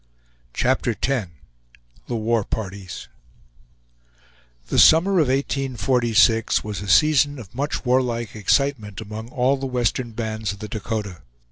CHAPTER X THE WAR PARTIES The summer of 1846 was a season of much warlike excitement among all the western bands of the Dakota.